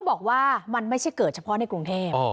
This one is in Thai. บอกว่ามันไม่ใช่เกิดเฉพาะในกรุงเทพ